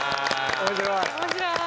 面白い。